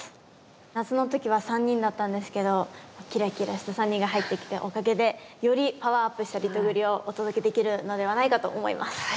夏の時は３人だったんですけどキラキラした３人が入ってきたおかげでよりパワーアップしたリトグリをお届けできるのではないかと思います。